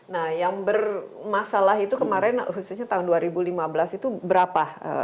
nah yang bermasalah itu kemarin khususnya tahun dua ribu lima belas itu berapa